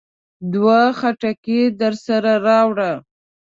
دوه خټکي درسره راوړه.